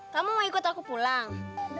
kamu mau ikut aku pulang